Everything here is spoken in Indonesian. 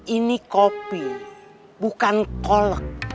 ini kopi bukan kol